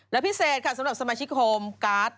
และพิเศษค่ะสำหรับสมาชิกโฮมการ์ด